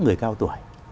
người cao tuổi